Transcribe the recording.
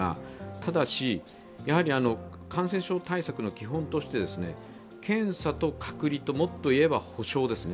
ただし、感染症対策の基本として検査と隔離と、もっといえば保障ですね。